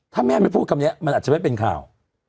ถ้าแม่ไม่พูดคำนี้มันอาจจะไม่เป็นข่าว